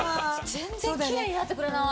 全然きれいになってくれない。